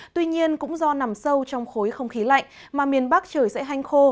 tuy nhiên cũng do nằm sâu trong khối không khí lạnh mà miền bắc trời sẽ hanh khô